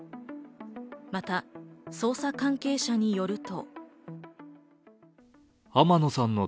また、捜査関係者によると。